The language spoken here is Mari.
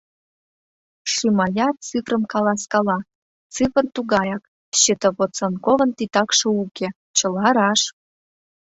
Шимаят цифрым каласкала, цифр тугаяк, счетовод Санковын титакше уке, чыла раш...